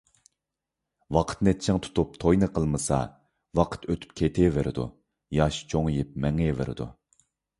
ۋاقىتنى چىڭ تۇتۇپ توينى قىلمىسا، ۋاقىت ئۆتۈپ كېتىۋېرىدۇ، ياش چوڭىيىپ مېڭىۋېرىدۇ.